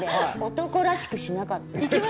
男らしくしなかった？